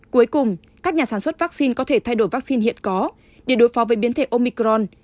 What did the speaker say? cuối cùng các nhà sản xuất vaccine có thể thay đổi vaccine hiện có để đối phó với biến thể omicron